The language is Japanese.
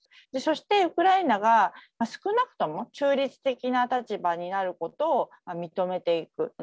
そして、ウクライナが少なくとも中立的な立場になることを認めていく。